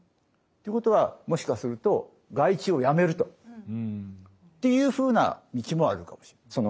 ってことはもしかすると外注をやめるというふうな道もあるかもしれない。